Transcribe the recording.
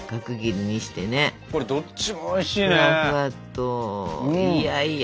これどっちもおいしいね。